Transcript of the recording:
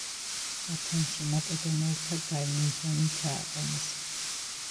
ათენში მაკედონელთა გარნიზონი ჩააყენეს.